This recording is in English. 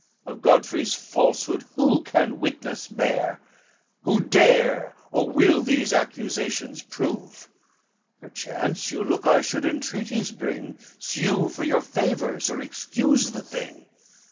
Of Godfrey's falsehood who can witness bear? Who dare or will these accusations prove? Perchance you look I should entreaties bring, Sue for your favors, or excuse the thing.